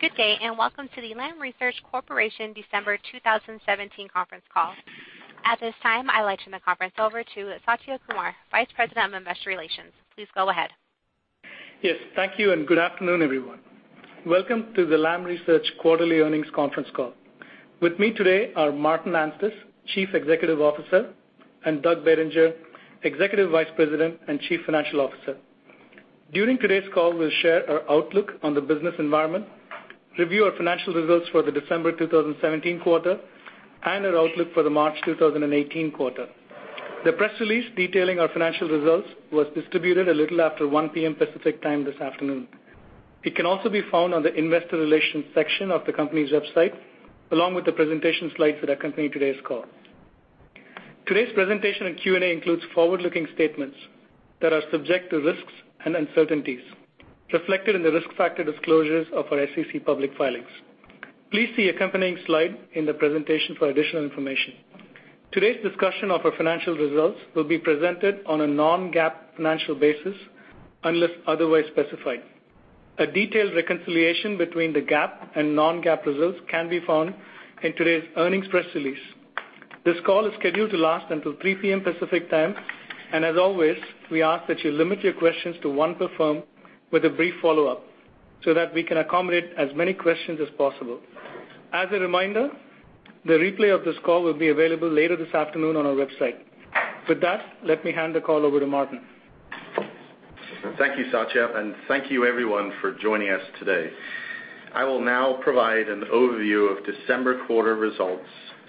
Good day, welcome to the Lam Research Corporation December 2017 conference call. At this time, I'd like to turn the conference over to Satya Kumar, Vice President of Investor Relations. Please go ahead. Yes, thank you, good afternoon, everyone. Welcome to the Lam Research quarterly earnings conference call. With me today are Martin Anstice, Chief Executive Officer, and Doug Bettinger, Executive Vice President and Chief Financial Officer. During today's call, we'll share our outlook on the business environment, review our financial results for the December 2017 quarter, and our outlook for the March 2018 quarter. The press release detailing our financial results was distributed a little after 1:00 P.M. Pacific Time this afternoon. It can also be found on the investor relations section of the company's website, along with the presentation slides that accompany today's call. Today's presentation and Q&A includes forward-looking statements that are subject to risks and uncertainties reflected in the risk factor disclosures of our SEC public filings. Please see accompanying slide in the presentation for additional information. Today's discussion of our financial results will be presented on a non-GAAP financial basis, unless otherwise specified. A detailed reconciliation between the GAAP and non-GAAP results can be found in today's earnings press release. This call is scheduled to last until 3:00 P.M. Pacific Time, as always, we ask that you limit your questions to one per firm with a brief follow-up so that we can accommodate as many questions as possible. As a reminder, the replay of this call will be available later this afternoon on our website. With that, let me hand the call over to Martin. Thank you, Satya, thank you, everyone, for joining us today. I will now provide an overview of December quarter results,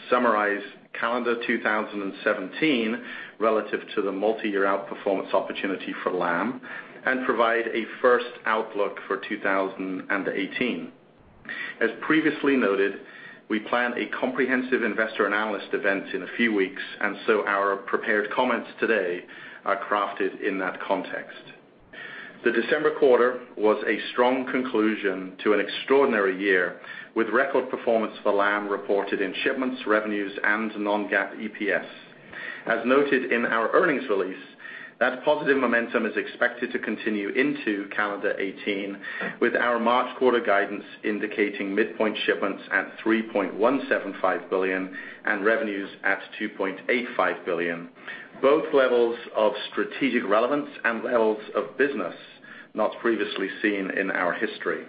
summarize calendar 2017 relative to the multi-year outperformance opportunity for Lam, provide a first outlook for 2018. As previously noted, we plan a comprehensive investor analyst event in a few weeks, so our prepared comments today are crafted in that context. The December quarter was a strong conclusion to an extraordinary year with record performance for Lam reported in shipments, revenues, and non-GAAP EPS. As noted in our earnings release, that positive momentum is expected to continue into calendar 2018, with our March quarter guidance indicating midpoint shipments at $3.175 billion and revenues at $2.85 billion, both levels of strategic relevance and levels of business not previously seen in our history.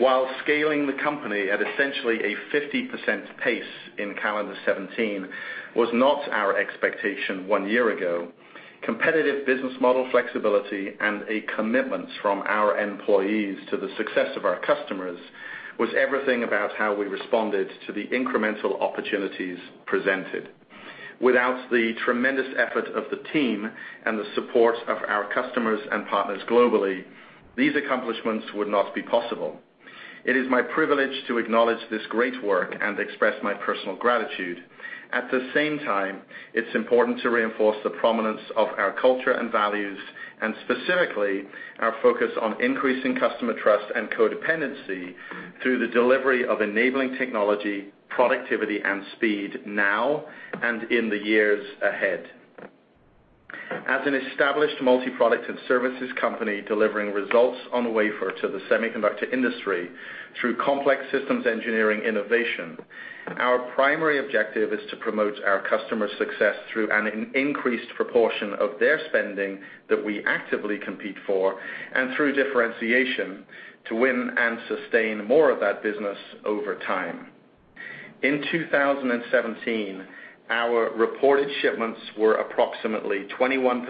While scaling the company at essentially a 50% pace in calendar 2017 was not our expectation one year ago, competitive business model flexibility and a commitment from our employees to the success of our customers was everything about how we responded to the incremental opportunities presented. Without the tremendous effort of the team and the support of our customers and partners globally, these accomplishments would not be possible. It is my privilege to acknowledge this great work and express my personal gratitude. At the same time, it's important to reinforce the prominence of our culture and values, and specifically our focus on increasing customer trust and codependency through the delivery of enabling technology, productivity, and speed now and in the years ahead. As an established multi-product and services company delivering results on wafer to the semiconductor industry through complex systems engineering innovation, our primary objective is to promote our customers' success through an increased proportion of their spending that we actively compete for and through differentiation to win and sustain more of that business over time. In 2017, our reported shipments were approximately 21%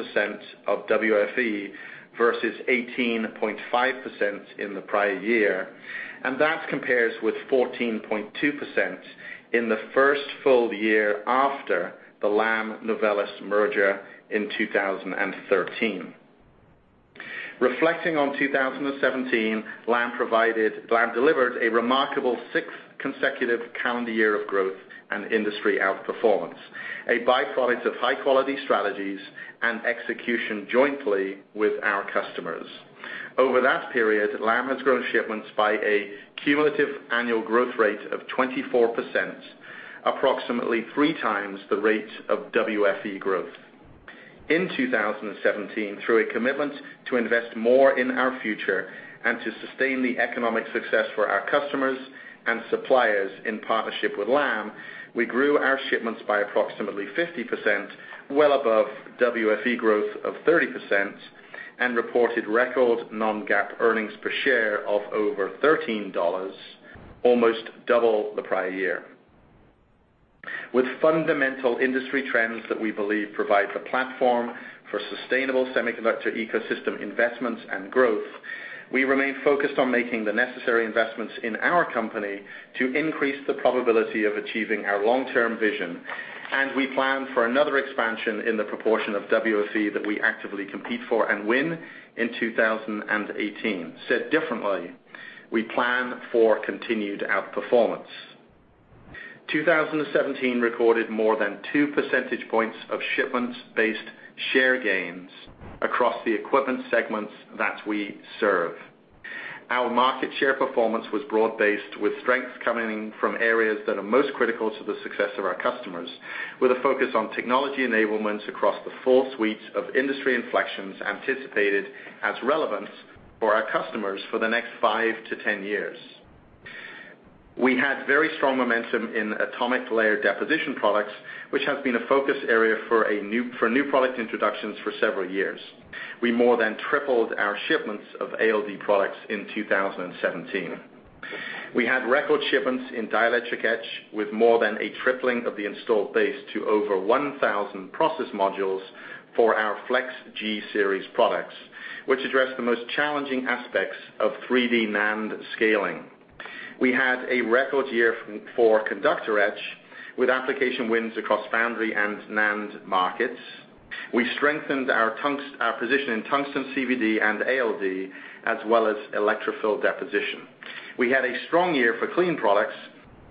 of WFE versus 18.5% in the prior year, and that compares with 14.2% in the first full year after the Lam-Novellus merger in 2013. Reflecting on 2017, Lam delivered a remarkable sixth consecutive calendar year of growth and industry outperformance, a byproduct of high-quality strategies and execution jointly with our customers. Over that period, Lam has grown shipments by a cumulative annual growth rate of 24%, approximately three times the rate of WFE growth. In 2017, through a commitment to invest more in our future and to sustain the economic success for our customers and suppliers in partnership with Lam, we grew our shipments by approximately 50%, well above WFE growth of 30%, and reported record non-GAAP earnings per share of over $13, almost double the prior year. With fundamental industry trends that we believe provide the platform for sustainable semiconductor ecosystem investments and growth, we remain focused on making the necessary investments in our company to increase the probability of achieving our long-term vision, we plan for another expansion in the proportion of WFE that we actively compete for and win in 2018. Said differently, we plan for continued outperformance. 2017 recorded more than two percentage points of shipments-based share gains across the equipment segments that we serve. Our market share performance was broad-based, with strengths coming from areas that are most critical to the success of our customers, with a focus on technology enablement across the full suite of industry inflections anticipated as relevant for our customers for the next five to 10 years. We had very strong momentum in atomic layer deposition products, which have been a focus area for new product introductions for several years. We more than tripled our shipments of ALD products in 2017. We had record shipments in dielectric etch, with more than a tripling of the installed base to over 1,000 process modules for our Flex G series products, which address the most challenging aspects of 3D NAND scaling. We had a record year for conductor etch with application wins across foundry and NAND markets. We strengthened our position in tungsten CVD and ALD, as well as Electrofill deposition. We had a strong year for clean products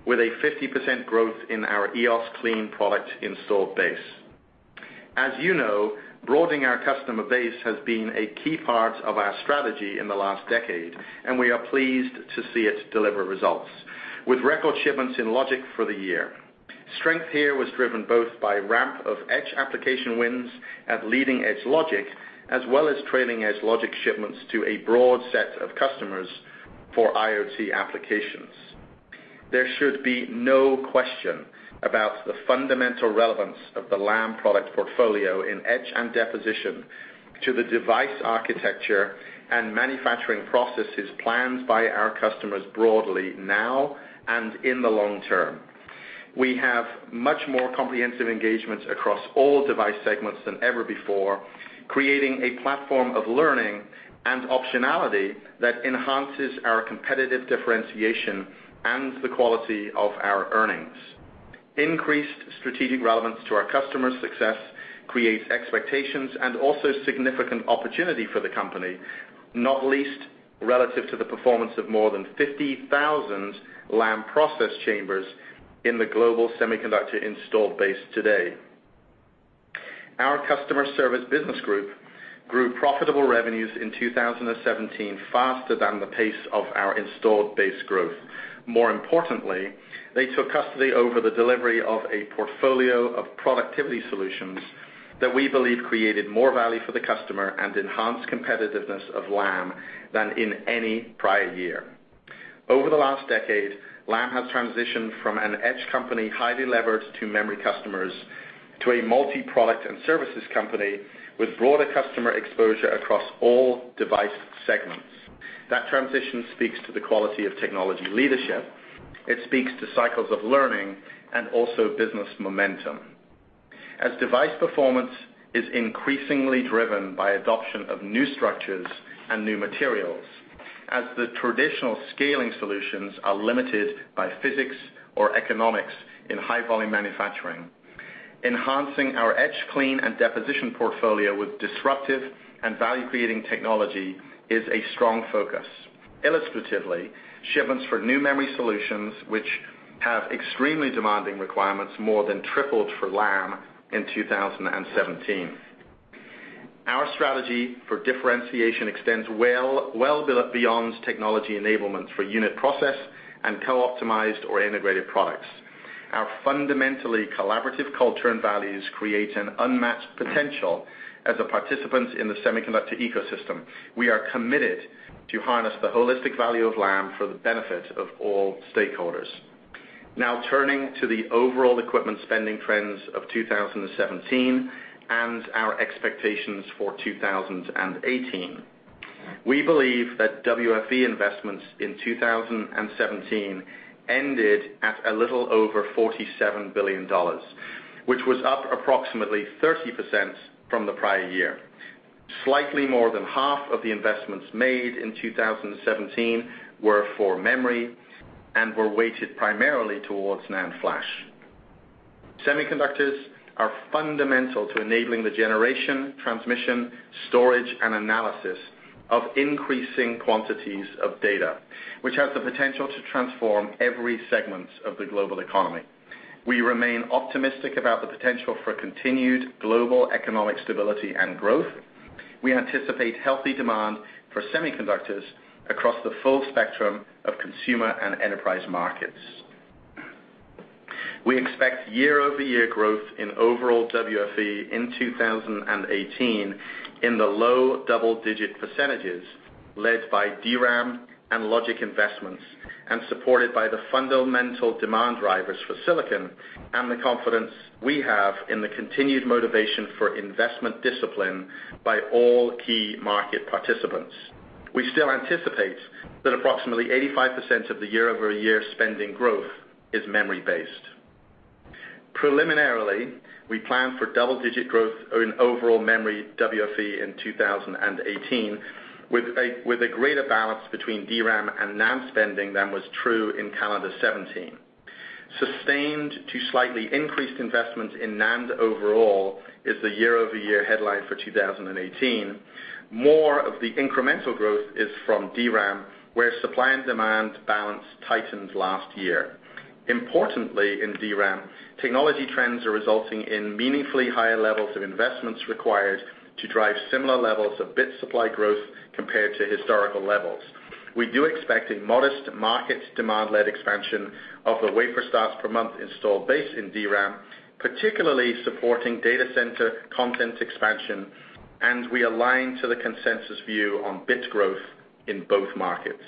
with a 50% growth in our EOS clean product installed base. As you know, broadening our customer base has been a key part of our strategy in the last decade, and we are pleased to see it deliver results. With record shipments in logic for the year, strength here was driven both by ramp of etch application wins at leading-edge logic, as well as trailing edge logic shipments to a broad set of customers for IoT applications. There should be no question about the fundamental relevance of the Lam product portfolio in etch and deposition to the device architecture and manufacturing processes planned by our customers broadly now and in the long term. We have much more comprehensive engagements across all device segments than ever before, creating a platform of learning and optionality that enhances our competitive differentiation and the quality of our earnings. Increased strategic relevance to our customers' success creates expectations and also significant opportunity for the company, not least relative to the performance of more than 50,000 Lam process chambers in the global semiconductor installed base today. Our customer service business group grew profitable revenues in 2017 faster than the pace of our installed base growth. More importantly, they took custody over the delivery of a portfolio of productivity solutions that we believe created more value for the customer and enhanced competitiveness of Lam than in any prior year. Over the last decade, Lam has transitioned from an etch company highly levered to memory customers, to a multi-product and services company with broader customer exposure across all device segments. That transition speaks to the quality of technology leadership. It speaks to cycles of learning and also business momentum. As device performance is increasingly driven by adoption of new structures and new materials, as the traditional scaling solutions are limited by physics or economics in high-volume manufacturing, enhancing our etch clean and deposition portfolio with disruptive and value-creating technology is a strong focus. Illustratively, shipments for new memory solutions, which have extremely demanding requirements, more than tripled for Lam in 2017. Our strategy for differentiation extends well beyond technology enablement for unit process and co-optimized or integrated products. Our fundamentally collaborative culture and values create an unmatched potential as a participant in the semiconductor ecosystem. We are committed to harness the holistic value of Lam for the benefit of all stakeholders. Now turning to the overall equipment spending trends of 2017 and our expectations for 2018. We believe that WFE investments in 2017 ended at a little over $47 billion, which was up approximately 30% from the prior year. Slightly more than half of the investments made in 2017 were for memory and were weighted primarily towards NAND flash. Semiconductors are fundamental to enabling the generation, transmission, storage, and analysis of increasing quantities of data, which has the potential to transform every segment of the global economy. We remain optimistic about the potential for continued global economic stability and growth. We anticipate healthy demand for semiconductors across the full spectrum of consumer and enterprise markets. We expect year-over-year growth in overall WFE in 2018 in the low double-digit percentages, led by DRAM and logic investments, and supported by the fundamental demand drivers for silicon and the confidence we have in the continued motivation for investment discipline by all key market participants. We still anticipate that approximately 85% of the year-over-year spending growth is memory-based. Preliminarily, we plan for double-digit growth in overall memory WFE in 2018 with a greater balance between DRAM and NAND spending than was true in calendar 2017. Sustained to slightly increased investments in NAND overall is the year-over-year headline for 2018. More of the incremental growth is from DRAM, where supply and demand balance tightened last year. Importantly, in DRAM, technology trends are resulting in meaningfully higher levels of investments required to drive similar levels of bit supply growth compared to historical levels. We do expect a modest market demand-led expansion of the wafer starts per month installed base in DRAM, particularly supporting data center content expansion. We align to the consensus view on bit growth in both markets.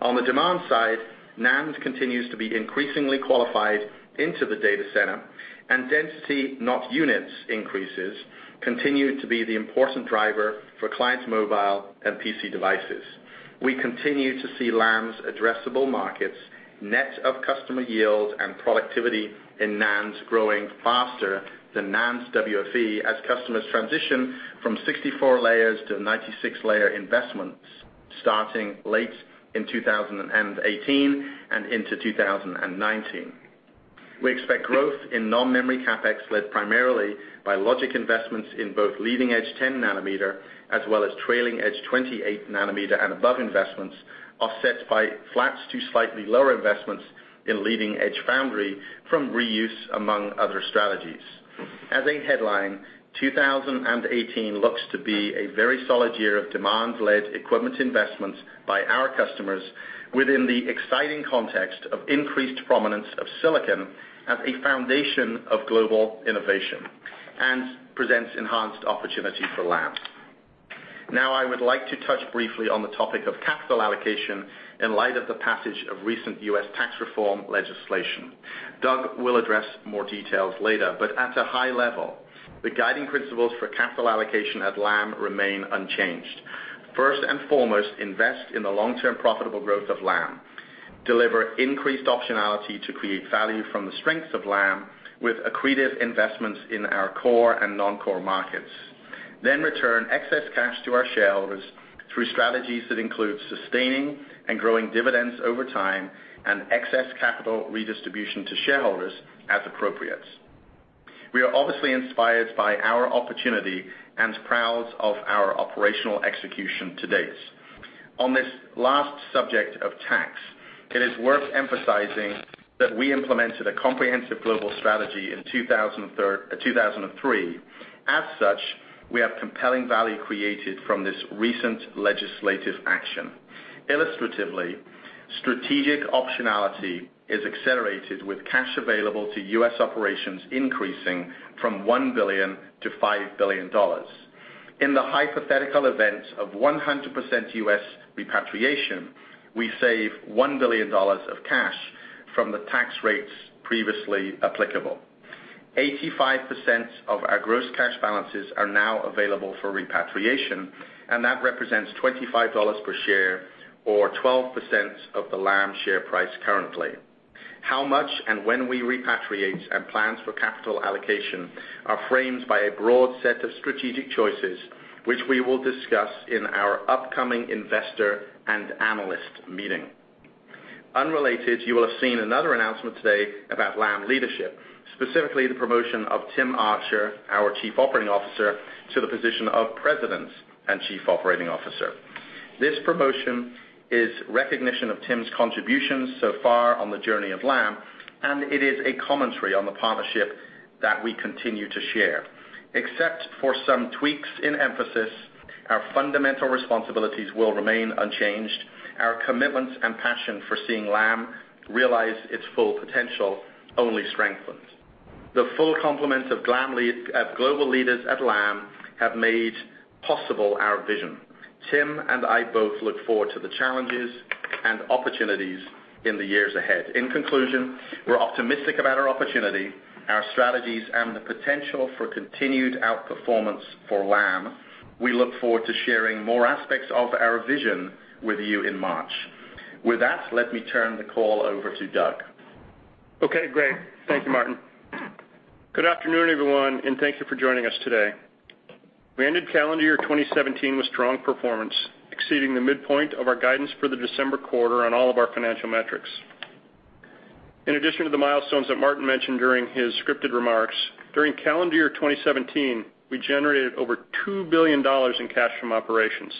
On the demand side, NAND continues to be increasingly qualified into the data center, and density, not units increases, continue to be the important driver for clients mobile and PC devices. We continue to see Lam's addressable markets, net of customer yield and productivity in NAND growing faster than NAND's WFE as customers transition from 64 layers to 96-layer investments starting late in 2018 and into 2019. We expect growth in non-memory CapEx led primarily by logic investments in both leading edge 10 nanometer as well as trailing edge 28 nanometer and above investments, offset by flats to slightly lower investments in leading-edge foundry from reuse, among other strategies. As a headline, 2018 looks to be a very solid year of demand-led equipment investments by our customers within the exciting context of increased prominence of silicon as a foundation of global innovation and presents enhanced opportunity for Lam. I would like to touch briefly on the topic of capital allocation in light of the passage of recent U.S. tax reform legislation. Doug will address more details later, but at a high level, the guiding principles for capital allocation at Lam remain unchanged. First and foremost, invest in the long-term profitable growth of Lam. Deliver increased optionality to create value from the strengths of Lam with accretive investments in our core and non-core markets. Return excess cash to our shareholders through strategies that include sustaining and growing dividends over time and excess capital redistribution to shareholders as appropriate. We are obviously inspired by our opportunity and proud of our operational execution to date. On this last subject of tax, it is worth emphasizing that we implemented a comprehensive global strategy in 2003. We have compelling value created from this recent legislative action. Illustratively, strategic optionality is accelerated with cash available to U.S. operations increasing from $1 billion to $5 billion. In the hypothetical event of 100% U.S. repatriation, we save $1 billion of cash from the tax rates previously applicable. 85% of our gross cash balances are now available for repatriation, and that represents $25 per share or 12% of the Lam share price currently. How much and when we repatriate and plans for capital allocation are framed by a broad set of strategic choices, which we will discuss in our upcoming investor and analyst meeting. Unrelated, you will have seen another announcement today about Lam leadership, specifically the promotion of Tim Archer, our Chief Operating Officer, to the position of President and Chief Operating Officer. This promotion is recognition of Tim's contributions so far on the journey of Lam, it is a commentary on the partnership that we continue to share. Except for some tweaks in emphasis, our fundamental responsibilities will remain unchanged. Our commitment and passion for seeing Lam realize its full potential only strengthens. The full complement of global leaders at Lam have made possible our vision. Tim and I both look forward to the challenges and opportunities in the years ahead. In conclusion, we're optimistic about our opportunity, our strategies, and the potential for continued outperformance for Lam. We look forward to sharing more aspects of our vision with you in March. With that, let me turn the call over to Doug. Okay, great. Thank you, Martin. Good afternoon, everyone, and thank you for joining us today. We ended calendar year 2017 with strong performance, exceeding the midpoint of our guidance for the December quarter on all of our financial metrics. In addition to the milestones that Martin mentioned during his scripted remarks, during calendar year 2017, we generated over $2 billion in cash from operations.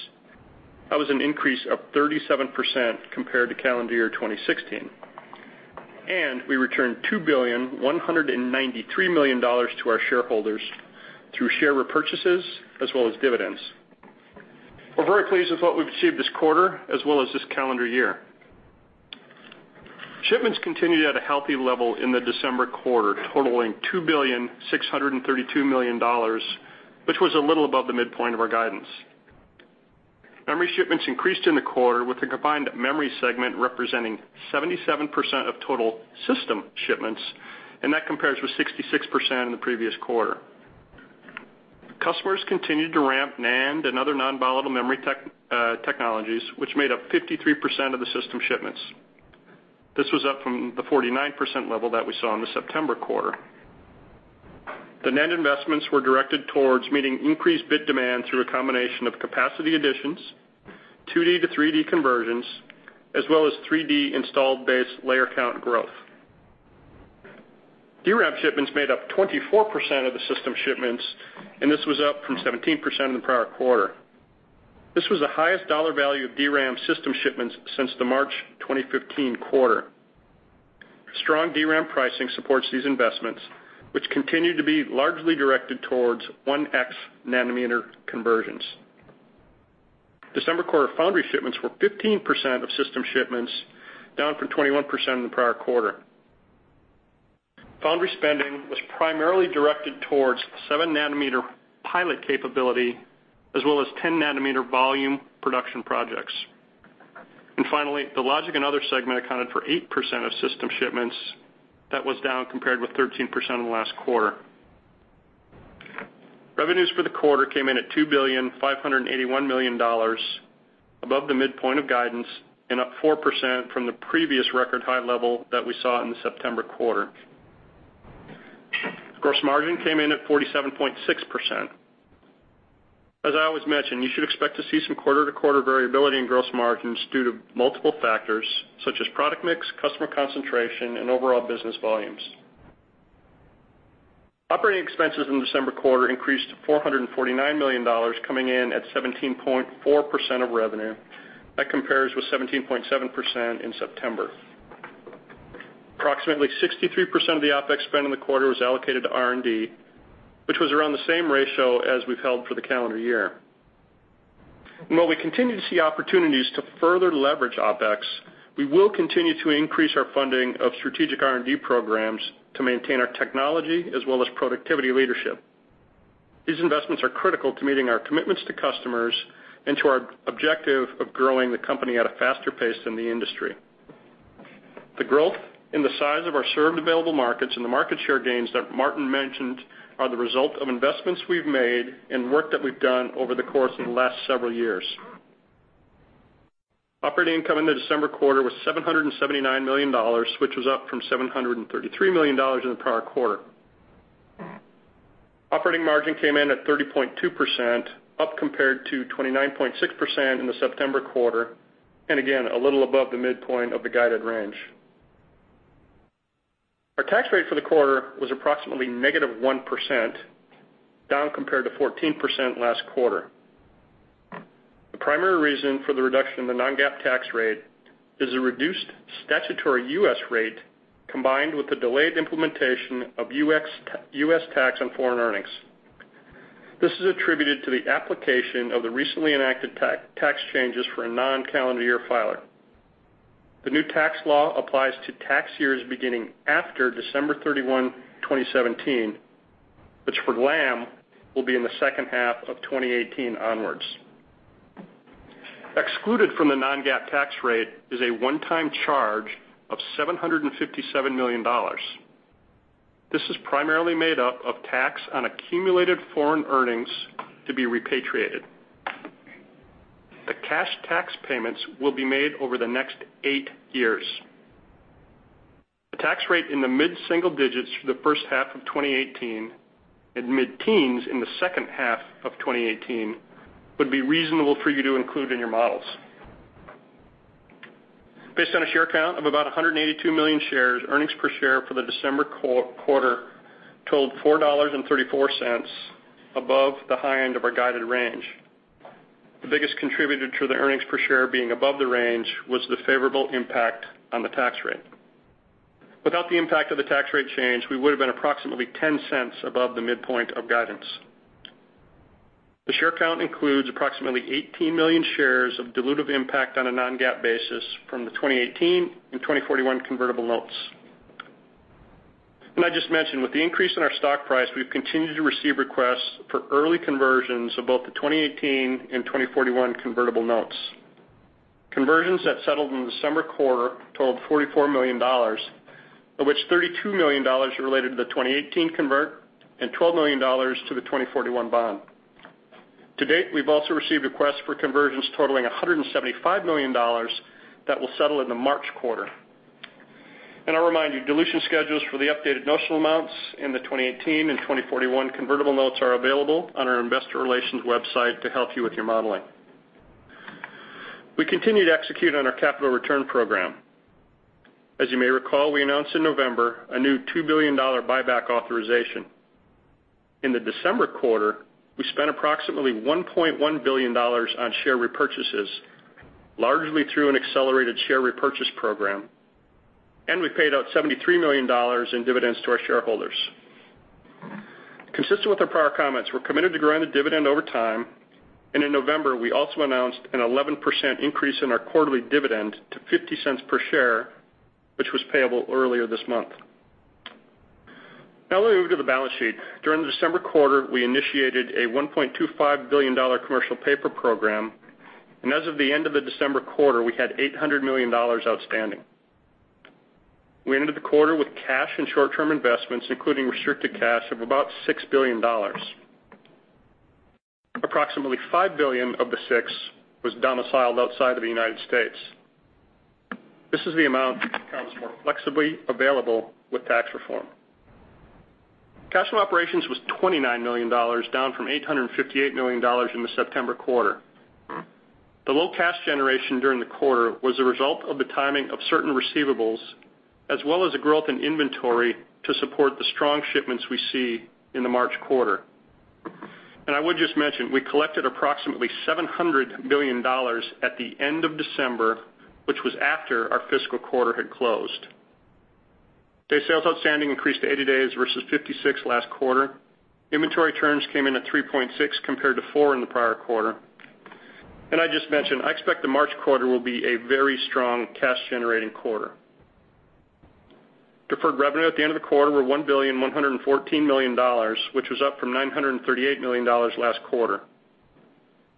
That was an increase of 37% compared to calendar year 2016. We returned $2.193 billion to our shareholders through share repurchases as well as dividends. We're very pleased with what we've achieved this quarter as well as this calendar year. Shipments continued at a healthy level in the December quarter, totaling $2.632 billion, which was a little above the midpoint of our guidance. Memory shipments increased in the quarter with the combined memory segment representing 77% of total system shipments, that compares with 66% in the previous quarter. Customers continued to ramp NAND and other nonvolatile memory technologies, which made up 53% of the system shipments. This was up from the 49% level that we saw in the September quarter. The NAND investments were directed towards meeting increased bid demand through a combination of capacity additions, 2D to 3D conversions, as well as 3D installed base layer count growth. DRAM shipments made up 24% of the system shipments, this was up from 17% in the prior quarter. This was the highest dollar value of DRAM system shipments since the March 2015 quarter. Strong DRAM pricing supports these investments, which continue to be largely directed towards 1X nanometer conversions. December quarter foundry shipments were 15% of system shipments, down from 21% in the prior quarter. Foundry spending was primarily directed towards 7 nanometer pilot capability, as well as 10 nanometer volume production projects. Finally, the logic and other segment accounted for 8% of system shipments. That was down compared with 13% in the last quarter. Revenues for the quarter came in at $2.581 billion, above the midpoint of guidance and up 4% from the previous record high level that we saw in the September quarter. Gross margin came in at 47.6%. As I always mention, you should expect to see some quarter-to-quarter variability in gross margins due to multiple factors such as product mix, customer concentration, and overall business volumes. Operating expenses in the December quarter increased to $449 million, coming in at 17.4% of revenue. That compares with 17.7% in September. Approximately 63% of the OpEx spend in the quarter was allocated to R&D, which was around the same ratio as we've held for the calendar year. While we continue to see opportunities to further leverage OpEx, we will continue to increase our funding of strategic R&D programs to maintain our technology as well as productivity leadership. These investments are critical to meeting our commitments to customers and to our objective of growing the company at a faster pace than the industry. The growth in the size of our served available markets and the market share gains that Martin mentioned are the result of investments we've made and work that we've done over the course of the last several years. Operating income in the December quarter was $779 million, which was up from $733 million in the prior quarter. Operating margin came in at 30.2%, up compared to 29.6% in the September quarter, again, a little above the midpoint of the guided range. Our tax rate for the quarter was approximately -1%, down compared to 14% last quarter. The primary reason for the reduction in the non-GAAP tax rate is a reduced statutory U.S. rate combined with the delayed implementation of U.S. tax on foreign earnings. This is attributed to the application of the recently enacted tax changes for a non-calendar year filer. The new tax law applies to tax years beginning after December 31, 2017, which for Lam, will be in the second half of 2018 onwards. Excluded from the non-GAAP tax rate is a one-time charge of $757 million. This is primarily made up of tax on accumulated foreign earnings to be repatriated. The cash tax payments will be made over the next eight years. A tax rate in the mid-single digits for the first half of 2018 and mid-teens in the second half of 2018 would be reasonable for you to include in your models. Based on a share count of about 182 million shares, earnings per share for the December quarter totaled $4.34, above the high end of our guided range. The biggest contributor to the earnings per share being above the range was the favorable impact on the tax rate. Without the impact of the tax rate change, we would've been approximately $0.10 above the midpoint of guidance. The share count includes approximately 18 million shares of dilutive impact on a non-GAAP basis from the 2018 and 2041 convertible notes. I just mentioned, with the increase in our stock price, we've continued to receive requests for early conversions of both the 2018 and 2041 convertible notes. Conversions that settled in the December quarter totaled $44 million, of which $32 million are related to the 2018 convert and $12 million to the 2041 bond. To date, we've also received requests for conversions totaling $175 million that will settle in the March quarter. I'll remind you, dilution schedules for the updated notional amounts in the 2018 and 2041 convertible notes are available on our investor relations website to help you with your modeling. We continue to execute on our capital return program. As you may recall, we announced in November a new $2 billion buyback authorization. In the December quarter, we spent approximately $1.1 billion on share repurchases, largely through an accelerated share repurchase program, and we paid out $73 million in dividends to our shareholders. Consistent with our prior comments, we're committed to growing the dividend over time, and in November, we also announced an 11% increase in our quarterly dividend to $0.50 per share, which was payable earlier this month. Let me move to the balance sheet. During the December quarter, we initiated a $1.25 billion commercial paper program, and as of the end of the December quarter, we had $800 million outstanding. We ended the quarter with cash and short-term investments, including restricted cash, of about $6 billion. Approximately $5 billion of the 6 was domiciled outside of the U.S. This is the amount that becomes more flexibly available with tax reform. Cash from operations was $29 million, down from $858 million in the September quarter. The low cash generation during the quarter was the result of the timing of certain receivables, as well as the growth in inventory to support the strong shipments we see in the March quarter. I would just mention, we collected approximately $700 million at the end of December, which was after our fiscal quarter had closed. Day sales outstanding increased to 80 days versus 56 last quarter. Inventory turns came in at 3.6, compared to four in the prior quarter. I just mentioned, I expect the March quarter will be a very strong cash-generating quarter. Deferred revenue at the end of the quarter were $1,114 million, which was up from $938 million last quarter.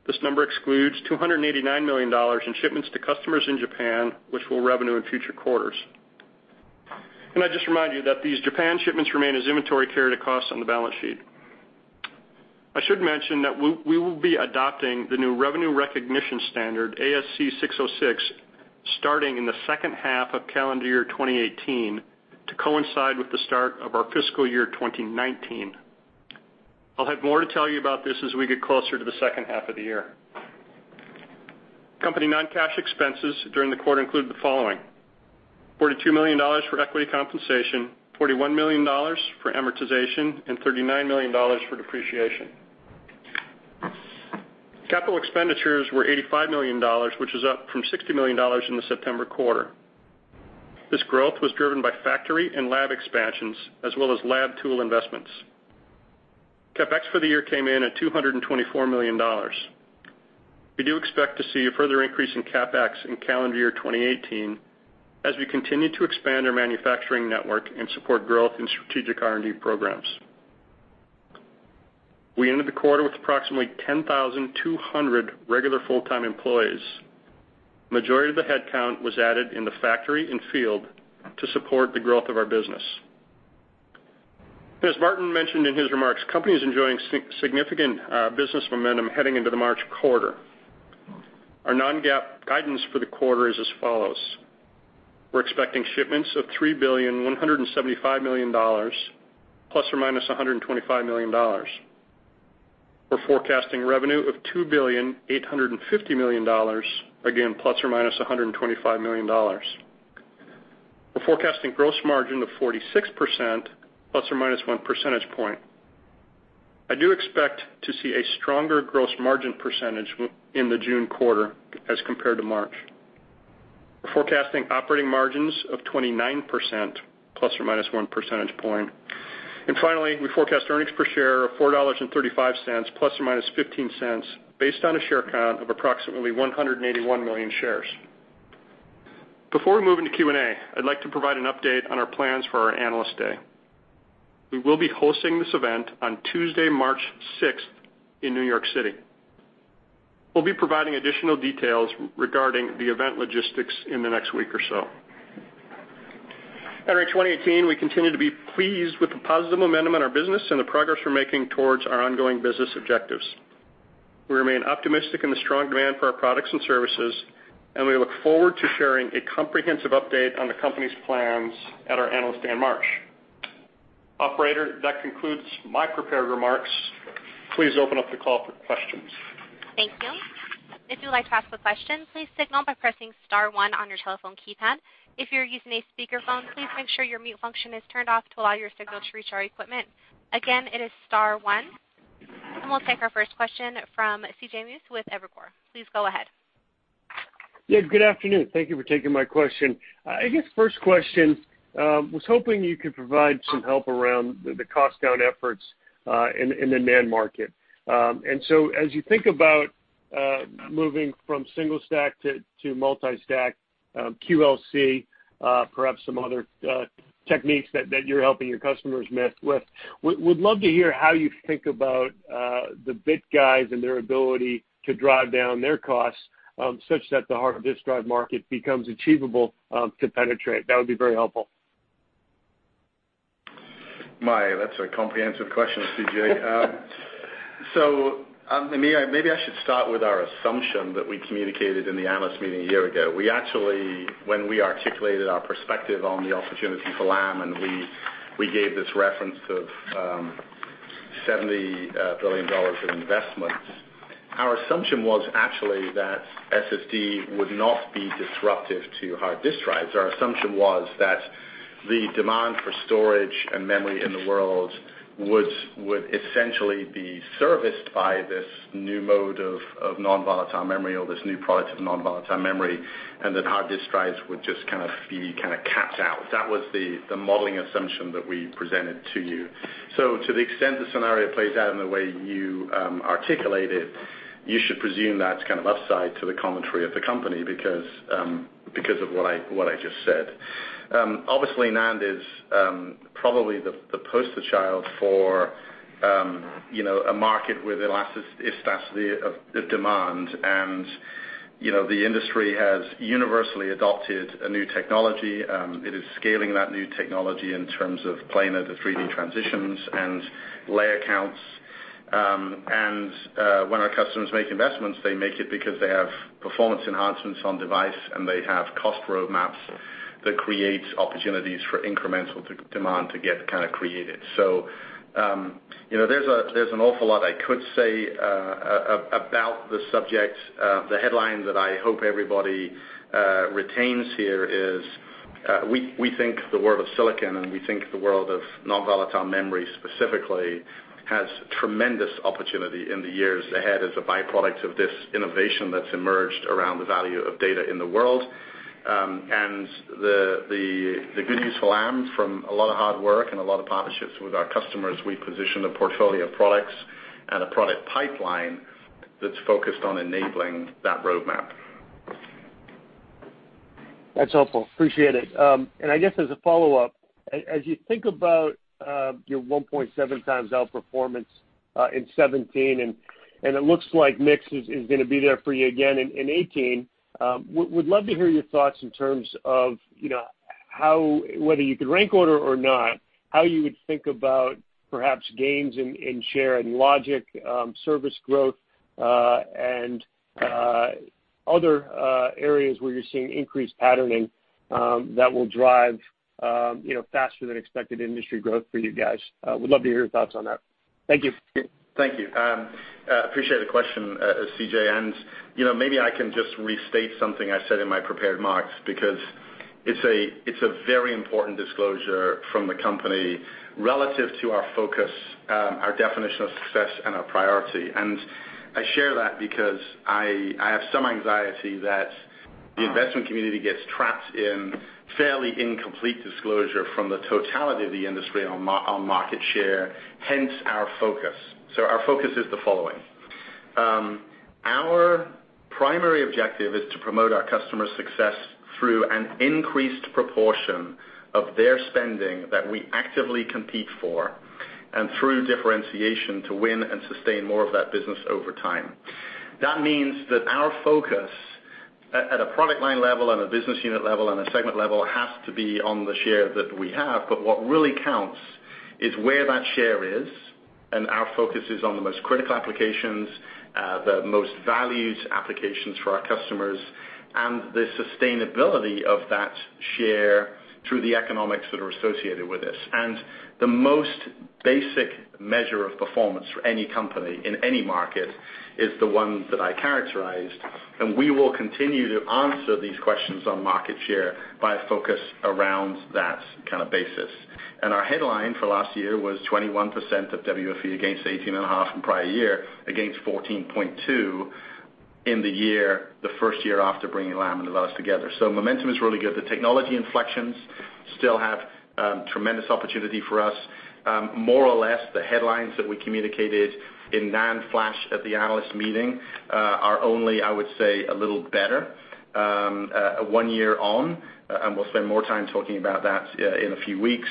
This number excludes $289 million in shipments to customers in Japan, which will revenue in future quarters. Can I just remind you that these Japan shipments remain as inventory carried at cost on the balance sheet? I should mention that we will be adopting the new revenue recognition standard, ASC 606, starting in the second half of calendar year 2018 to coincide with the start of our fiscal year 2019. I'll have more to tell you about this as we get closer to the second half of the year. Company non-cash expenses during the quarter include the following: $42 million for equity compensation, $41 million for amortization, and $39 million for depreciation. Capital expenditures were $85 million, which is up from $60 million in the September quarter. This growth was driven by factory and lab expansions as well as lab tool investments. CapEx for the year came in at $224 million. We do expect to see a further increase in CapEx in calendar year 2018 as we continue to expand our manufacturing network and support growth in strategic R&D programs. We ended the quarter with approximately 10,200 regular full-time employees. Majority of the headcount was added in the factory and field to support the growth of our business. As Martin mentioned in his remarks, company is enjoying significant business momentum heading into the March quarter. Our non-GAAP guidance for the quarter is as follows. We're expecting shipments of $3,175 million, plus or minus $125 million. We're forecasting revenue of $2,850 million, again, plus or minus $125 million. We're forecasting gross margin of 46%, plus or minus one percentage point. I do expect to see a stronger gross margin percentage in the June quarter as compared to March. We're forecasting operating margins of 29%, plus or minus one percentage point. Finally, we forecast earnings per share of $4.35 ±$0.15, based on a share count of approximately 181 million shares. Before we move into Q&A, I would like to provide an update on our plans for our Analyst Day. We will be hosting this event on Tuesday, March 6th in New York City. We will be providing additional details regarding the event logistics in the next week or so. Entering 2018, we continue to be pleased with the positive momentum in our business and the progress we are making towards our ongoing business objectives. We remain optimistic in the strong demand for our products and services, and we look forward to sharing a comprehensive update on the company's plans at our Analyst Day in March. Operator, that concludes my prepared remarks. Please open up the call for questions. Thank you. If you would like to ask a question, please signal by pressing star one on your telephone keypad. If you are using a speakerphone, please make sure your mute function is turned off to allow your signal to reach our equipment. Again, it is star one. We will take our first question from C.J. Muse with Evercore. Please go ahead. Good afternoon. Thank you for taking my question. First question, was hoping you could provide some help around the cost-down efforts in the NAND market. As you think about moving from single-stack to multi-stack QLC, perhaps some other techniques that you are helping your customers with, would love to hear how you think about the bit guys and their ability to drive down their costs such that the hard disk drive market becomes achievable to penetrate. That would be very helpful. That is a comprehensive question, C.J. Maybe I should start with our assumption that we communicated in the analyst meeting a year ago. We actually, when we articulated our perspective on the opportunity for Lam, and we gave this reference of $70 billion of investments, our assumption was actually that SSD would not be disruptive to hard disk drives. Our assumption was that the demand for storage and memory in the world would essentially be serviced by this new mode of non-volatile memory, or this new product of non-volatile memory, and that hard disk drives would just kind of be capped out. That was the modeling assumption that we presented to you. To the extent the scenario plays out in the way you articulated, you should presume that is kind of upside to the commentary of the company because of what I just said. NAND is probably the poster child for a market with elasticity of demand, the industry has universally adopted a new technology. It is scaling that new technology in terms of planar to 3D transitions and layer counts. When our customers make investments, they make it because they have performance enhancements on device, and they have cost roadmaps that create opportunities for incremental demand to get kind of created. There's an awful lot I could say about the subject. The headline that I hope everybody retains here is we think the world of silicon, and we think the world of non-volatile memory specifically has tremendous opportunity in the years ahead as a byproduct of this innovation that's emerged around the value of data in the world. The good news for Lam, from a lot of hard work and a lot of partnerships with our customers, we positioned a portfolio of products and a product pipeline that's focused on enabling that roadmap. That's helpful. Appreciate it. I guess as a follow-up, as you think about your 1.7x outperformance in 2017, it looks like mix is going to be there for you again in 2018, would love to hear your thoughts in terms of how, whether you could rank order or not, how you would think about perhaps gains in share and logic, service growth, and other areas where you're seeing increased patterning, that will drive faster than expected industry growth for you guys. Would love to hear your thoughts on that. Thank you. Thank you. Appreciate the question, C.J., maybe I can just restate something I said in my prepared remarks, because it's a very important disclosure from the company relative to our focus, our definition of success and our priority. I share that because I have some anxiety that the investment community gets trapped in fairly incomplete disclosure from the totality of the industry on market share, hence our focus. Our focus is the following. Our primary objective is to promote our customers' success through an increased proportion of their spending that we actively compete for, and through differentiation to win and sustain more of that business over time. That means that our focus at a product line level and a business unit level and a segment level has to be on the share that we have. What really counts is where that share is. Our focus is on the most critical applications, the most valued applications for our customers, and the sustainability of that share through the economics that are associated with this. The most basic measure of performance for any company in any market is the one that I characterized, and we will continue to answer these questions on market share by a focus around that kind of basis. Our headline for last year was 21% of WFE against 18.5 in prior year, against 14.2 in the first year after bringing Lam and Novellus together. Momentum is really good. The technology inflections still have tremendous opportunity for us. More or less, the headlines that we communicated in NAND Flash at the analyst meeting are only, I would say, a little better one year on. We'll spend more time talking about that in a few weeks.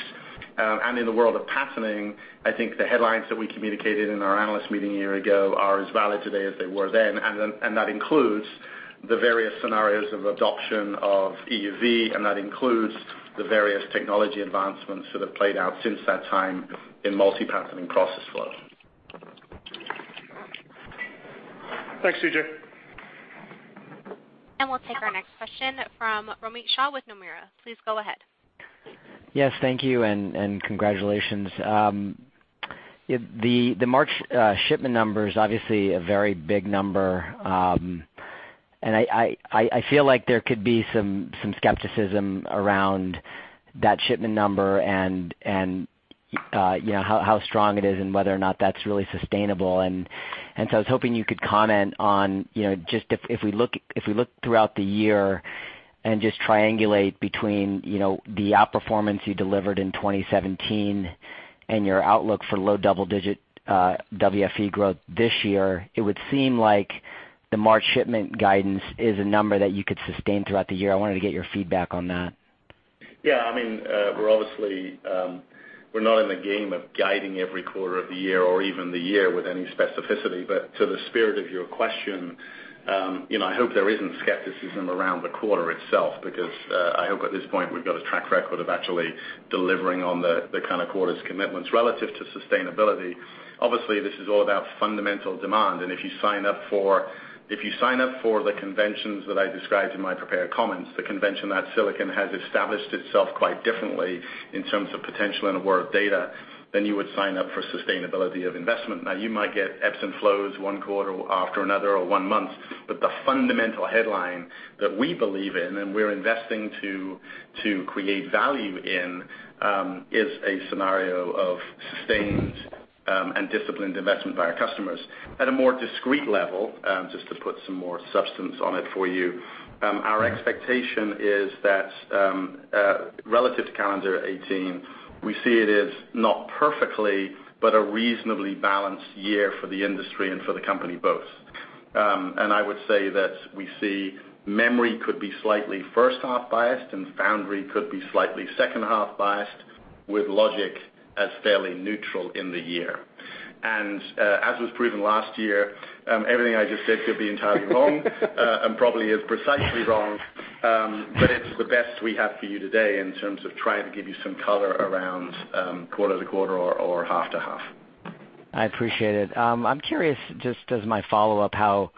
In the world of patterning, I think the headlines that we communicated in our analyst meeting a year ago are as valid today as they were then. That includes the various scenarios of adoption of EUV. That includes the various technology advancements that have played out since that time in multi-patterning process flow. Thanks, C.J. We'll take our next question from Romit Shah with Nomura. Please go ahead. Yes, thank you, and congratulations. The March shipment number is obviously a very big number, and I feel like there could be some skepticism around that shipment number and how strong it is and whether or not that's really sustainable. So I was hoping you could comment on just if we look throughout the year and just triangulate between the outperformance you delivered in 2017 and your outlook for low double-digit WFE growth this year, it would seem like the March shipment guidance is a number that you could sustain throughout the year. I wanted to get your feedback on that. Yeah. We're not in the game of guiding every quarter of the year or even the year with any specificity. To the spirit of your question, I hope there isn't skepticism around the quarter itself, because I hope at this point we've got a track record of actually delivering on the kind of quarters commitments relative to sustainability. Obviously, this is all about fundamental demand, and if you sign up for the conventions that I described in my prepared comments, the convention that silicon has established itself quite differently in terms of potential and a world of data, than you would sign up for sustainability of investment. Now, you might get ebbs and flows one quarter after another or one month, but the fundamental headline that we believe in and we're investing to create value in, is a scenario of sustained and disciplined investment by our customers. At a more discrete level, just to put some more substance on it for you, our expectation is that, relative to calendar 2018, we see it as not perfectly, but a reasonably balanced year for the industry and for the company, both. I would say that we see memory could be slightly first-half biased, and foundry could be slightly second-half biased, with logic as fairly neutral in the year. As was proven last year, everything I just said could be entirely wrong, and probably is precisely wrong, but it's the best we have for you today in terms of trying to give you some color around quarter to quarter or half to half. I appreciate it. I'm curious, just as my follow-up, how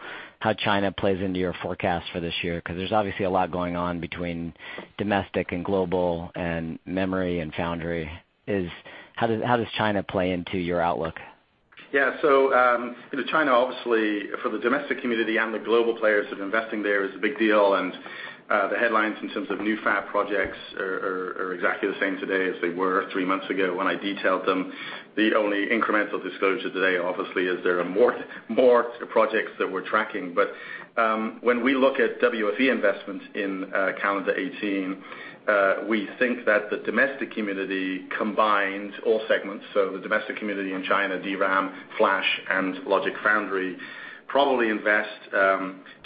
China plays into your forecast for this year, because there's obviously a lot going on between domestic and global and memory and foundry. How does China play into your outlook? China, obviously for the domestic community and the global players that are investing there is a big deal, and the headlines in terms of new fab projects are exactly the same today as they were three months ago when I detailed them. The only incremental disclosure today, obviously, is there are more projects that we're tracking. When we look at WFE investments in calendar 2018, we think that the domestic community combined all segments. The domestic community in China, DRAM, flash, and logic foundry probably invest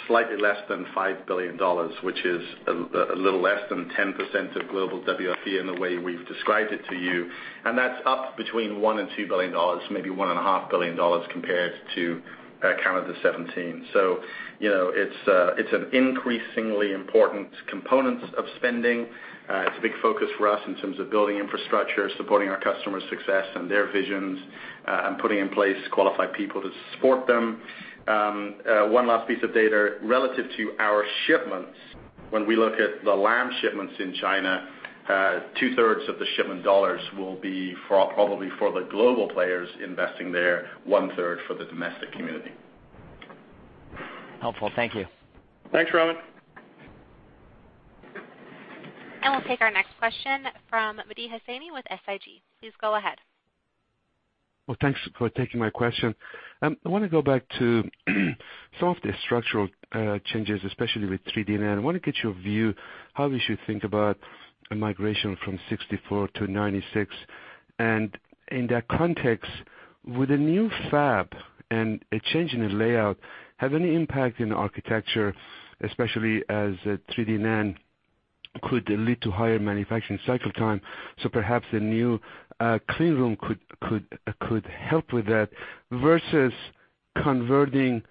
slightly less than $5 billion, which is a little less than 10% of global WFE in the way we've described it to you. That's up between $1 billion and $2 billion, maybe $1.5 billion compared to calendar 2017. It's an increasingly important component of spending. It's a big focus for us in terms of building infrastructure, supporting our customers' success and their visions, and putting in place qualified people to support them. One last piece of data relative to our shipments. When we look at the Lam shipments in China, two-thirds of the shipment dollars will be probably for the global players investing there, one-third for the domestic community. Helpful. Thank you. Thanks, Romit. We'll take our next question from Mehdi Hosseini with SIG. Please go ahead. Well, thanks for taking my question. I want to go back to some of the structural changes, especially with 3D NAND. I want to get your view how we should think about a migration from 64 to 96. In that context, would a new fab and a change in the layout have any impact in architecture, especially as 3D NAND could lead to higher manufacturing cycle time, so perhaps a new clean room could help with that, versus converting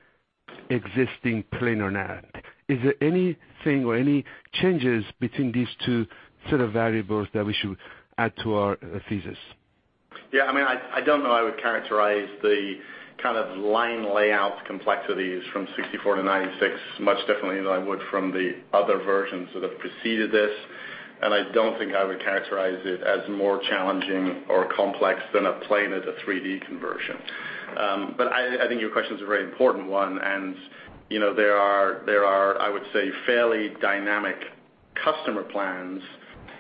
existing planar NAND? Is there anything or any changes between these two set of variables that we should add to our thesis? Yeah. I don't know I would characterize the kind of line layout complexities from 64 to 96 much differently than I would from the other versions that have preceded this. I don't think I would characterize it as more challenging or complex than a planar as a 3D conversion. I think your question is a very important one and there are, I would say, fairly dynamic customer plans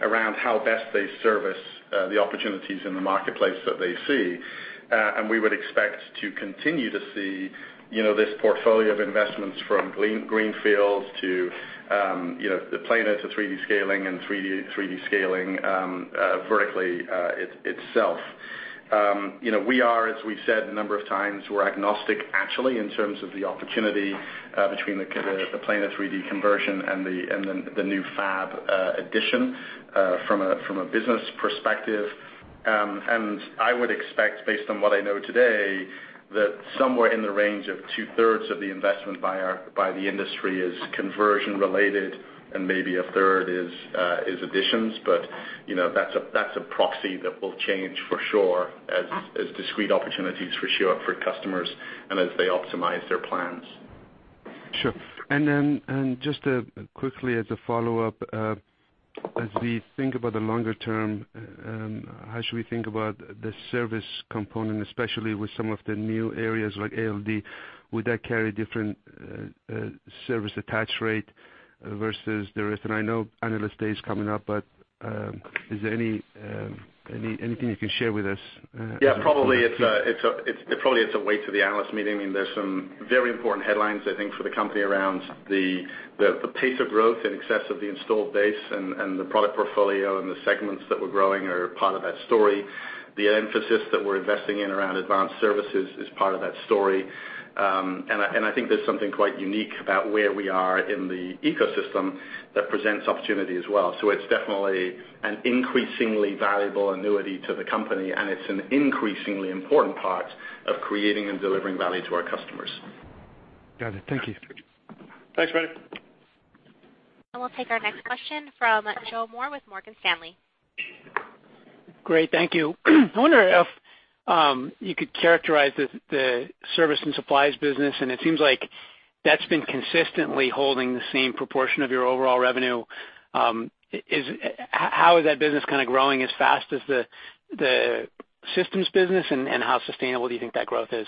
around how best they service the opportunities in the marketplace that they see. We would expect to continue to see this portfolio of investments from greenfields to the planar to 3D scaling and 3D scaling vertically itself. We are, as we've said a number of times, we're agnostic actually in terms of the opportunity between the planar 3D conversion and the new fab addition from a business perspective. I would expect, based on what I know today, that somewhere in the range of two-thirds of the investment by the industry is conversion related and maybe a third is additions. That's a proxy that will change for sure as discrete opportunities show up for customers and as they optimize their plans. Sure. Just quickly as a follow-up, as we think about the longer term, how should we think about the service component, especially with some of the new areas like ALD? Would that carry different service attach rate versus the rest? I know Analyst Day is coming up, but is there anything you can share with us? Yeah. Probably it's a wait to the Analyst Meeting. There are some very important headlines, I think, for the company around the pace of growth in excess of the installed base and the product portfolio and the segments that we're growing are part of that story. The emphasis that we're investing in around advanced services is part of that story. I think there's something quite unique about where we are in the ecosystem that presents opportunity as well. It's definitely an increasingly valuable annuity to the company, and it's an increasingly important part of creating and delivering value to our customers. Got it. Thank you. Thanks, Mehdi. We'll take our next question from Joseph Moore with Morgan Stanley. Great. Thank you. I wonder if you could characterize the service and supplies business, and it seems like that's been consistently holding the same proportion of your overall revenue. How is that business kind of growing as fast as the systems business, and how sustainable do you think that growth is?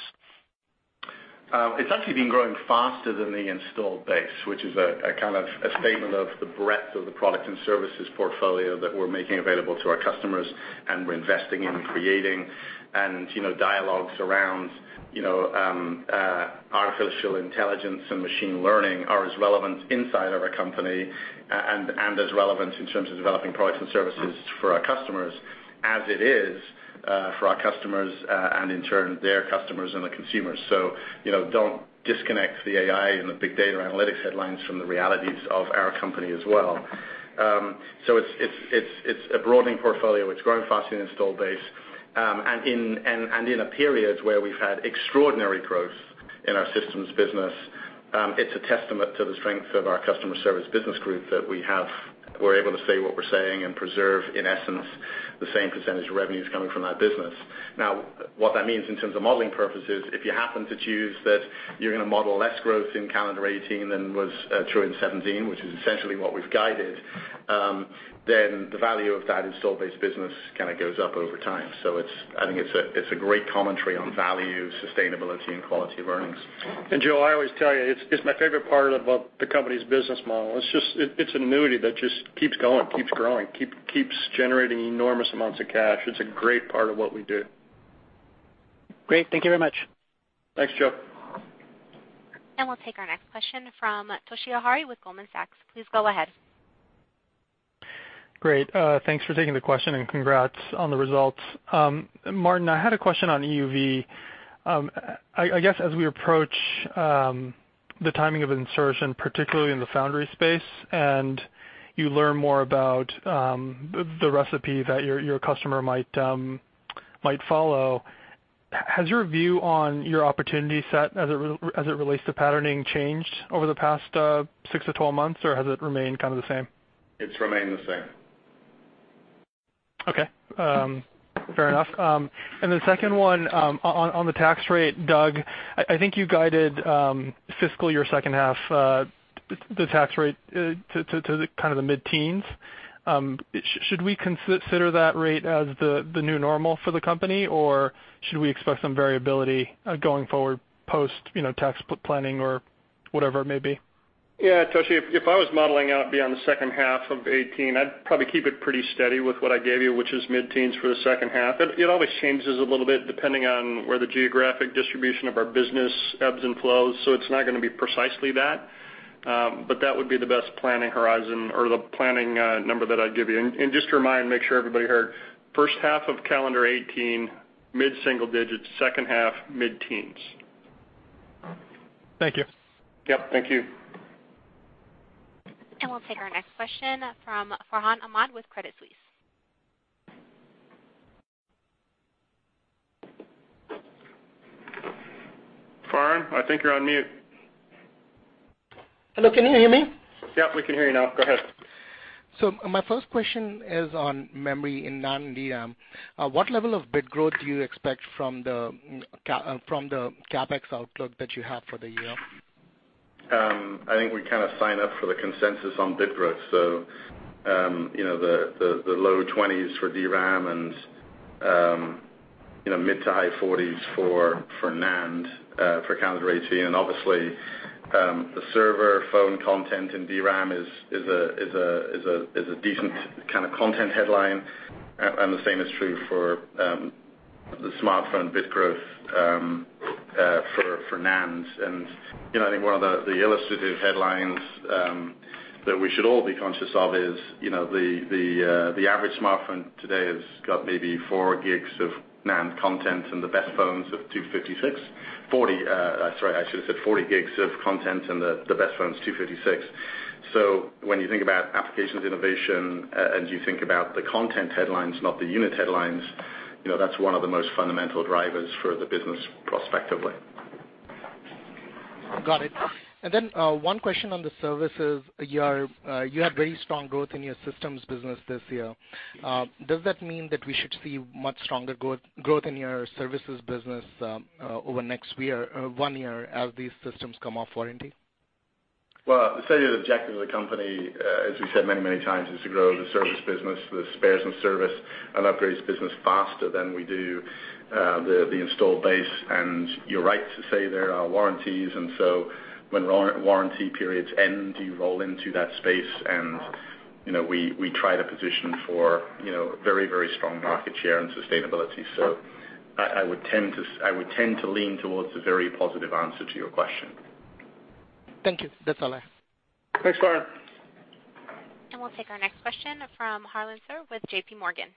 It's actually been growing faster than the installed base, which is a kind of statement of the breadth of the product and services portfolio that we're making available to our customers and we're investing in creating. Dialogues around artificial intelligence and machine learning are as relevant inside of our company and as relevant in terms of developing products and services for our customers as it is for our customers, and in turn, their customers and the consumers. Don't disconnect the AI and the big data analytics headlines from the realities of our company as well. It's a broadening portfolio. It's growing faster than installed base. In a period where we've had extraordinary growth in our systems business, it's a testament to the strength of our customer service business group that we're able to say what we're saying and preserve, in essence, the same percentage of revenues coming from that business. What that means in terms of modeling purposes, if you happen to choose that you're going to model less growth in calendar 2018 than was true in 2017, which is essentially what we've guided, then the value of that installed base business kind of goes up over time. I think it's a great commentary on value, sustainability, and quality of earnings. Joe, I always tell you, it's my favorite part about the company's business model. It's an annuity that just keeps going, keeps growing, keeps generating enormous amounts of cash. It's a great part of what we do. Great. Thank you very much. Thanks, Joe. We'll take our next question from Toshiya Hari with Goldman Sachs. Please go ahead. Great. Thanks for taking the question, and congrats on the results. Martin, I had a question on EUV. I guess as we approach the timing of insertion, particularly in the foundry space, and you learn more about the recipe that your customer might follow, has your view on your opportunity set as it relates to patterning changed over the past 6-12 months, or has it remained kind of the same? It's remained the same. Okay. Fair enough. The second one, on the tax rate. Doug, I think you guided fiscal year second half, the tax rate to the mid-teens. Should we consider that rate as the new normal for the company, or should we expect some variability going forward post tax planning or whatever it may be? Yeah, Toshi, if I was modeling out beyond the second half of 2018, I'd probably keep it pretty steady with what I gave you, which is mid-teens for the second half. It always changes a little bit depending on where the geographic distribution of our business ebbs and flows, so it's not going to be precisely that. That would be the best planning horizon or the planning number that I'd give you. Just to remind, make sure everybody heard, first half of calendar 2018, mid-single digits. Second half, mid-teens. Thank you. Yep. Thank you. We'll take our next question from Farhan Ahmad with Credit Suisse. Farhan, I think you're on mute. Hello, can you hear me? Yep, we can hear you now. Go ahead. My first question is on memory in NAND DRAM. What level of bit growth do you expect from the CapEx outlook that you have for the year? I think we kind of sign up for the consensus on bit growth. The low 20s for DRAM and mid to high 40s for NAND for calendar 2018. Obviously, the server phone content in DRAM is a decent kind of content headline. The same is true for the smartphone bit growth for NAND. I think one of the illustrative headlines that we should all be conscious of is the average smartphone today has got maybe 4 GB of NAND content and the best phones have 256. 40, sorry, I should have said 40 GB of content and the best phone's 256. When you think about applications innovation, as you think about the content headlines, not the unit headlines, that's one of the most fundamental drivers for the business prospectively. Got it. Then, one question on the services. You had very strong growth in your systems business this year. Does that mean that we should see much stronger growth in your services business over next one year as these systems come off warranty? Well, I'll say the objective of the company, as we've said many times, is to grow the service business with spares and service and upgrades business faster than we do the installed base. You're right to say there are warranties. When warranty periods end, you roll into that space, and we try to position for very strong market share and sustainability. I would tend to lean towards a very positive answer to your question. Thank you. That's all I have. Thanks, Farhan. We'll take our next question from Harlan Sur with J.P. Morgan.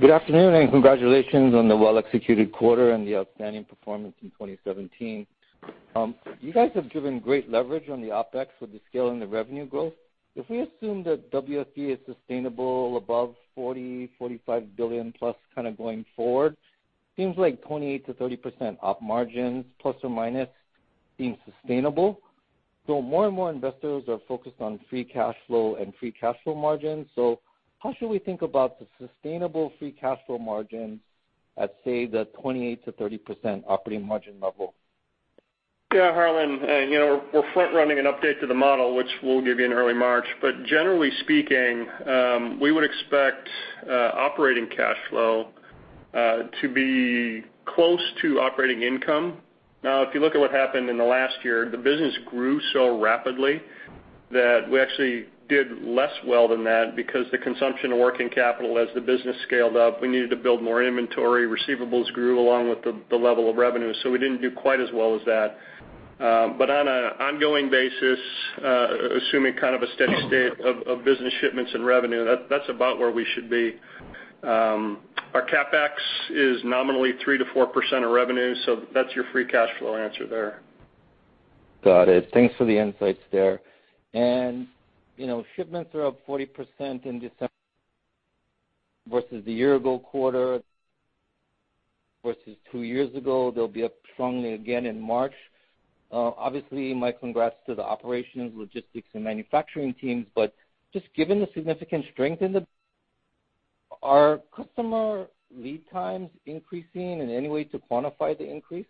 Good afternoon, congratulations on the well-executed quarter and the outstanding performance in 2017. You guys have driven great leverage on the OpEx with the scale and the revenue growth. If we assume that WFE is sustainable above $40 billion-$45 billion-plus going forward, seems like 28%-30% Op margins, plus or minus, being sustainable. More and more investors are focused on free cash flow and free cash flow margins. How should we think about the sustainable free cash flow margins at, say, the 28%-30% operating margin level? Yeah, Harlan, we're front-running an update to the model, which we'll give you in early March. Generally speaking, we would expect operating cash flow to be close to operating income. Now, if you look at what happened in the last year, the business grew so rapidly that we actually did less well than that because the consumption of working capital as the business scaled up. We needed to build more inventory. Receivables grew along with the level of revenue, so we didn't do quite as well as that. On an ongoing basis, assuming kind of a steady state of business shipments and revenue, that's about where we should be. Our CapEx is nominally 3%-4% of revenue, so that's your free cash flow answer there. Got it. Thanks for the insights there. Shipments are up 40% in December versus the year-ago quarter, versus two years ago. They'll be up strongly again in March. Obviously, my congrats to the operations, logistics, and manufacturing teams. Just given the significant strength, are customer lead times increasing, and any way to quantify the increase?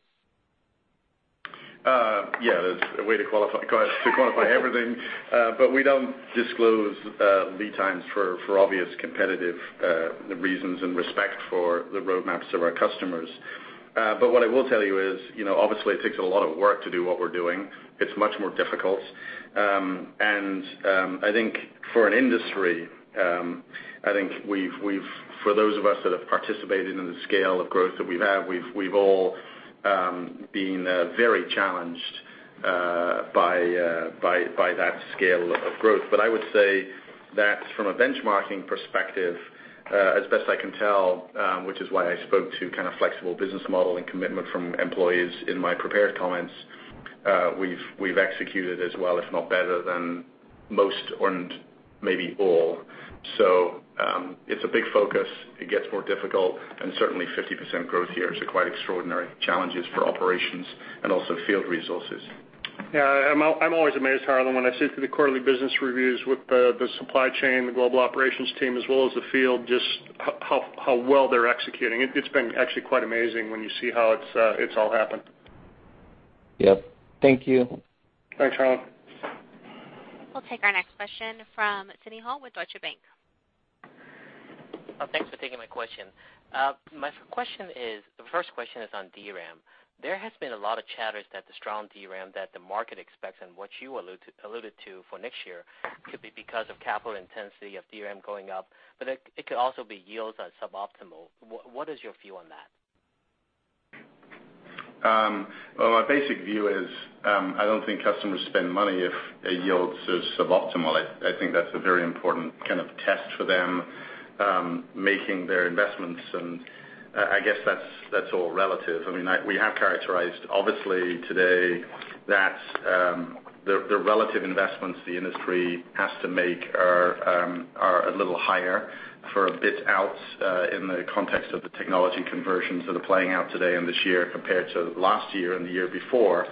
Yeah. There's a way to quantify everything. We don't disclose lead times for obvious competitive reasons and respect for the roadmaps of our customers. What I will tell you is, obviously, it takes a lot of work to do what we're doing. It's much more difficult. I think for those of us that have participated in the scale of growth that we've had, we've all been very challenged By that scale of growth. I would say that from a benchmarking perspective, as best I can tell, which is why I spoke to flexible business model and commitment from employees in my prepared comments, we've executed as well, if not better than most or maybe all. It's a big focus. It gets more difficult and certainly 50% growth here is quite extraordinary challenges for operations and also field resources. Yeah, I'm always amazed, Harlan, when I sit through the quarterly business reviews with the supply chain, the global operations team, as well as the field, just how well they're executing. It's been actually quite amazing when you see how it's all happened. Yep. Thank you. Thanks, Harlan. We'll take our next question from Sidney Ho with Deutsche Bank. Thanks for taking my question. My first question is on DRAM. There has been a lot of chatters that the strong DRAM that the market expects and what you alluded to for next year could be because of capital intensity of DRAM going up, but it could also be yields are suboptimal. What is your view on that? Well, my basic view is, I don't think customers spend money if a yield is suboptimal. I think that's a very important kind of test for them, making their investments and I guess that's all relative. We have characterized, obviously today, that the relative investments the industry has to make are a little higher for a bit out in the context of the technology conversions that are playing out today and this year compared to last year and the year before.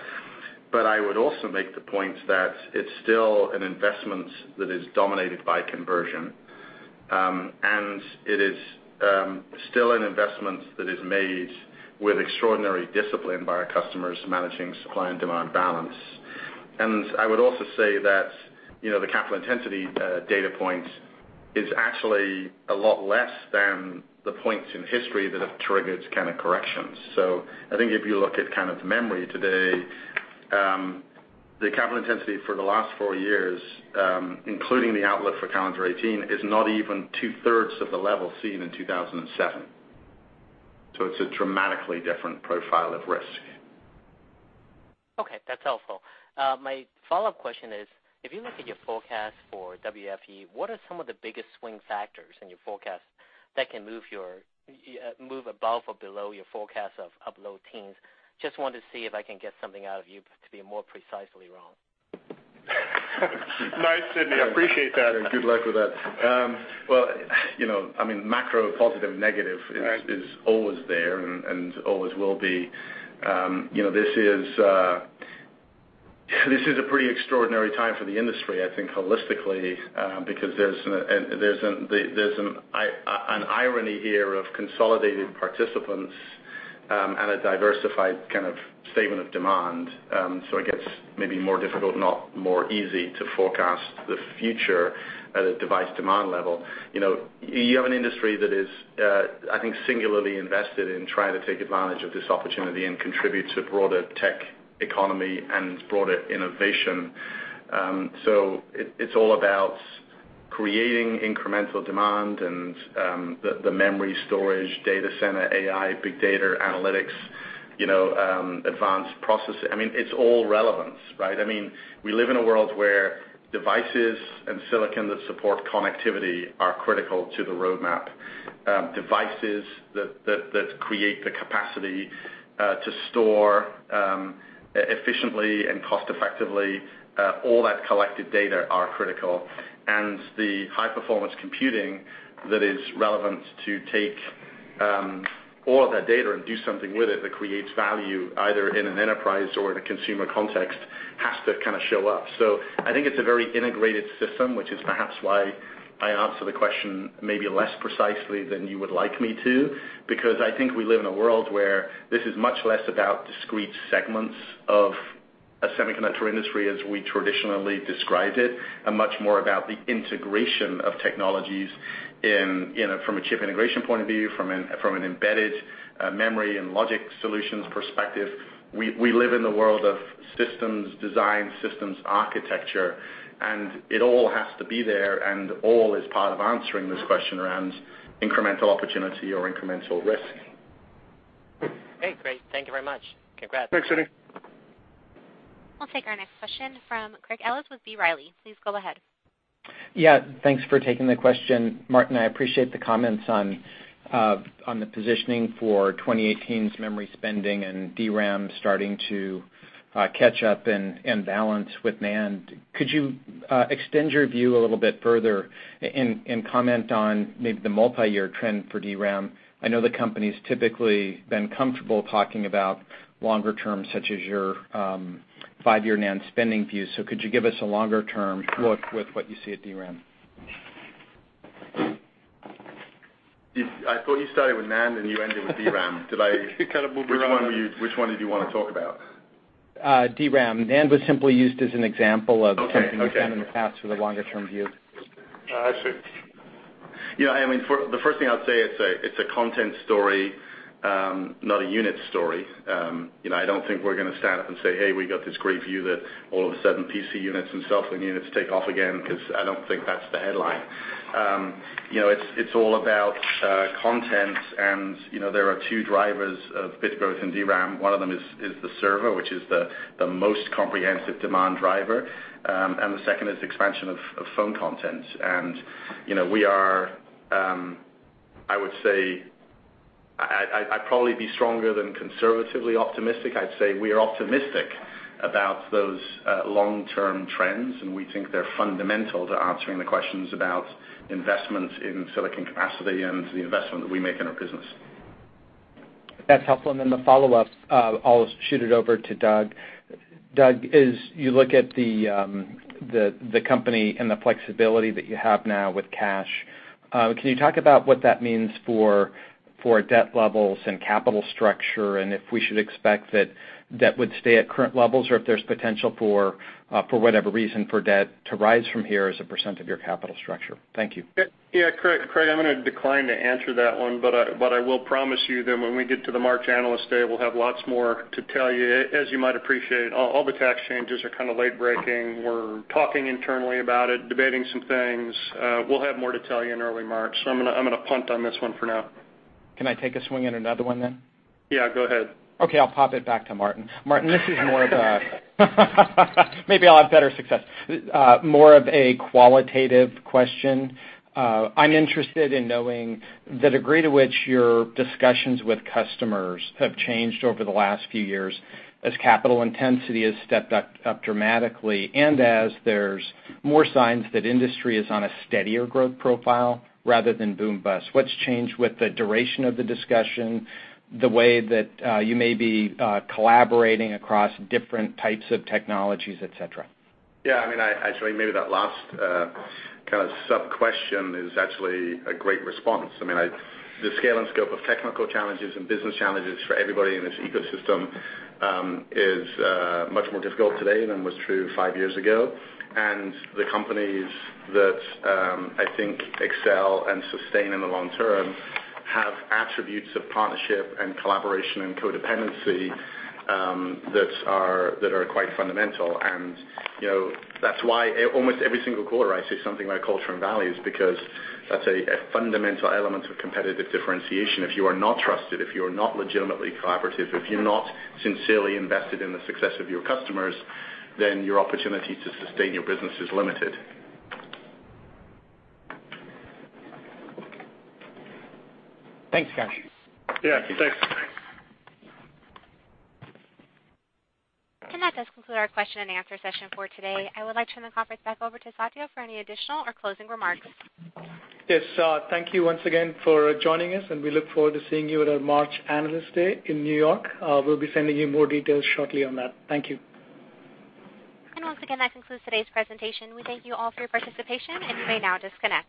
I would also make the point that it's still an investment that is dominated by conversion. It is still an investment that is made with extraordinary discipline by our customers managing supply and demand balance. I would also say that the capital intensity data point is actually a lot less than the points in history that have triggered kind of corrections. I think if you look at memory today, the capital intensity for the last four years, including the outlook for calendar 2018, is not even two-thirds of the level seen in 2007. It's a dramatically different profile of risk. Okay, that's helpful. My follow-up question is, if you look at your forecast for WFE, what are some of the biggest swing factors in your forecast that can move above or below your forecast of low teens? Just wanted to see if I can get something out of you to be more precisely wrong. Nice, Sidney. I appreciate that. Good luck with that. Well, macro positive, negative is always there and always will be. This is a pretty extraordinary time for the industry, I think holistically, because there's an irony here of consolidated participants, and a diversified kind of statement of demand. It gets maybe more difficult, not more easy to forecast the future at a device demand level. You have an industry that is, I think, singularly invested in trying to take advantage of this opportunity and contribute to broader tech economy and broader innovation. It's all about creating incremental demand and the memory storage, data center, AI, big data, analytics, advanced process. It's all relevance, right? We live in a world where devices and silicon that support connectivity are critical to the roadmap. Devices that create the capacity to store efficiently and cost effectively all that collected data are critical. The high-performance computing that is relevant to take all of that data and do something with it that creates value either in an enterprise or in a consumer context has to kind of show up. I think it's a very integrated system, which is perhaps why I answer the question maybe less precisely than you would like me to, because I think we live in a world where this is much less about discrete segments of a semiconductor industry as we traditionally described it, and much more about the integration of technologies from a chip integration point of view, from an embedded memory and logic solutions perspective. We live in the world of systems design, systems architecture, it all has to be there and all is part of answering this question around incremental opportunity or incremental risk. Okay, great. Thank you very much. Congrats. Thanks, Sidney. We'll take our next question from Craig Ellis with B. Riley. Please go ahead. Yeah, thanks for taking the question. Martin, I appreciate the comments on the positioning for 2018's memory spending and DRAM starting to catch up and balance with NAND. Could you extend your view a little bit further and comment on maybe the multi-year trend for DRAM? I know the company's typically been comfortable talking about longer term, such as your five-year NAND spending view. Could you give us a longer-term look with what you see at DRAM? I thought you started with NAND and you ended with DRAM. You kind of moved around Which one did you want to talk about? DRAM. NAND was simply used as an example. Okay something you've done in the past for the longer-term view. I see. The first thing I'd say, it's a content story, not a unit story. I don't think we're going to stand up and say, "Hey, we got this great view that all of a sudden PC units and cell phone units take off again," because I don't think that's the headline. It's all about content. There are two drivers of bit growth in DRAM. One of them is the server, which is the most comprehensive demand driver, and the second is expansion of phone content. I would say, I'd probably be stronger than conservatively optimistic. I'd say we are optimistic about those long-term trends, and we think they're fundamental to answering the questions about investment in silicon capacity and the investment that we make in our business. That's helpful. The follow-up, I'll shoot it over to Doug. Doug, as you look at the company and the flexibility that you have now with cash, can you talk about what that means for debt levels and capital structure, and if we should expect that that would stay at current levels or if there's potential for whatever reason for debt to rise from here as a percent of your capital structure? Thank you. Yeah, Craig, I'm going to decline to answer that one, but I will promise you that when we get to the March analyst day, we'll have lots more to tell you. As you might appreciate, all the tax changes are kind of late-breaking. We're talking internally about it, debating some things. We'll have more to tell you in early March, so I'm going to punt on this one for now. Can I take a swing at another one then? Yeah, go ahead. Okay, I'll pop it back to Martin. Martin, this is more of a maybe I'll have better success. More of a qualitative question. I'm interested in knowing the degree to which your discussions with customers have changed over the last few years as capital intensity has stepped up dramatically and as there's more signs that industry is on a steadier growth profile rather than boom bust. What's changed with the duration of the discussion, the way that you may be collaborating across different types of technologies, et cetera? Yeah. Actually, maybe that last kind of sub-question is actually a great response. The scale and scope of technical challenges and business challenges for everybody in this ecosystem is much more difficult today than was true five years ago. The companies that I think excel and sustain in the long term have attributes of partnership and collaboration and codependency that are quite fundamental. That's why almost every single quarter I say something about culture and values because that's a fundamental element of competitive differentiation. If you are not trusted, if you are not legitimately collaborative, if you're not sincerely invested in the success of your customers, then your opportunity to sustain your business is limited. Thanks, guys. Yeah, thanks. That does conclude our question and answer session for today. I would like to turn the conference back over to Satya for any additional or closing remarks. Yes. Thank you once again for joining us. We look forward to seeing you at our March Analyst Day in New York. We'll be sending you more details shortly on that. Thank you. Once again, that concludes today's presentation. We thank you all for your participation, and you may now disconnect.